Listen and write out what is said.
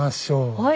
はい。